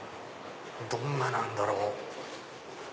どんななんだろう？